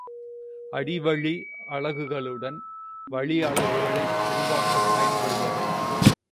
அடிவழி அலகுகளுடன் வழியலகுகளை உருவாக்கப் பயன்படுபவை.